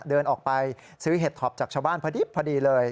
เดินออกไปซื้อเห็ดท็อปจากชาวบ้านพอดีเลย